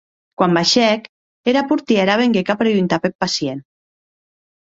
Quan baishèc, era portièra venguec a preguntar peth pacient.